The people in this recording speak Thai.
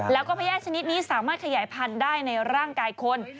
แล้วก็พญาติชนิดนี้สามารถขยายพันธุ์ได้ในร่างกายคน